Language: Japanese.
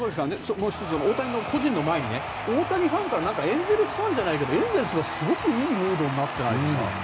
もう１つ、大谷個人の前に大谷ファンやエンゼルスファンじゃないけどエンゼルス、すごくいいムードになってないですか。